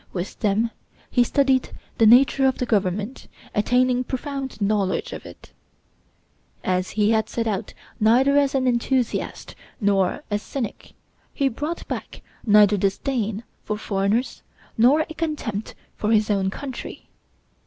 With them he studied the nature of the government, attaining profound knowledge of it. As he had set out neither as an enthusiast nor a cynic, he brought back neither a disdain for foreigners nor a contempt for his own country.